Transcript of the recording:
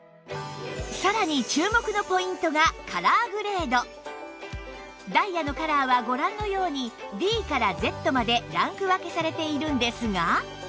さらに注目のポイントがカラーグレードダイヤのカラーはご覧のように Ｄ から Ｚ までランク分けされているんですが